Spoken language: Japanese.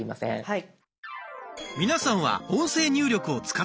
はい。